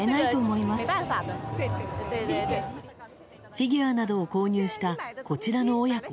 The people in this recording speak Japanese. フィギュアなどを購入したこちらの親子。